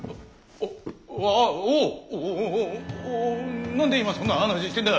おおおお何で今そんな話してんだ！